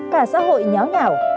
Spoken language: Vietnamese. cả xã hội nháo nhảo